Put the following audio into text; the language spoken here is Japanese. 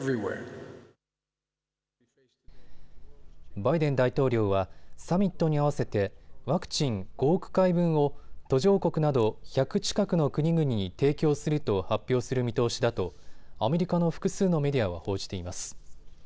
バイデン大統領はサミットに合わせてワクチン５億回分を途上国など１００近くの国々に提供すると発表する見通しだとアメリカの複数のメディアは報じています。